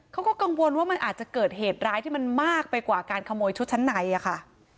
เขาก็กังวลว่ามันอาจจะเกิดเหตุร้ายที่มันมากไปกว่าการขโมยชุดชั้นในอะค่ะ